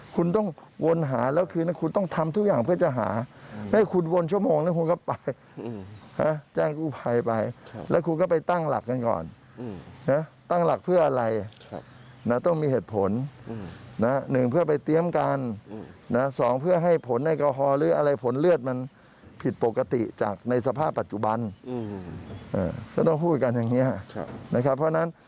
ก็ต้องพูดกันอย่างนี้เหรอครับไม่ครับพวกนั้นพอ